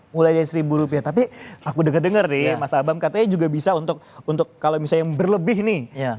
mulai dari seribu rupiah tapi aku dengar dengar nih mas abam katanya juga bisa untuk kalau misalnya yang berlebih nih